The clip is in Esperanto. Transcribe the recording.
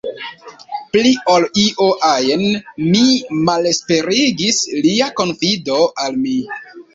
Pli ol io ajn, min malesperigis lia konfido al mi.